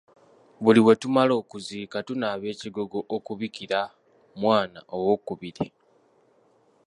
Buli lwe tumala okuziika tunaaba ekigogo okubikira mwana owookubiri.